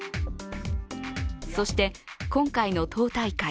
そして今回の党大会。